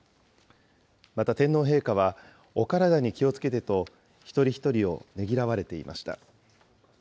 また天皇陛下は、お体に気をつけてと一人一人をねぎらわれていました。